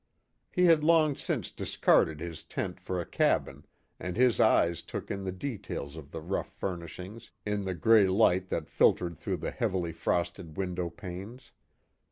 He had long since discarded his tent for a cabin and his eyes took in the details of the rough furnishings in the grey light that filtered through the heavily frosted window panes.